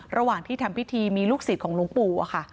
ระหว่างที่ทำพิธีมีลูกศิษย์ของหลวงปู่อะค่ะ